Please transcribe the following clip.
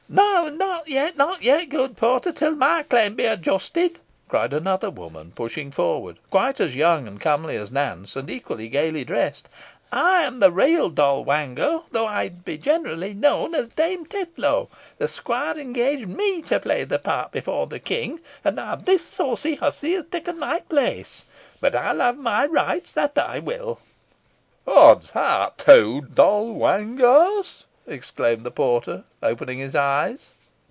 "No not yet not yet, good porter, till my claim be adjusted," cried another woman, pushing forward, quite as young and comely as Nance, and equally gaily dressed. "I am the real Doll Wango, though I be generally known as Dame Tetlow. The squire engaged me to play the part before the King, and now this saucy hussy has taken my place. But I'll have my rights, that I will." "Odd's heart! two Doll Wangos!" exclaimed the porter, opening his eyes.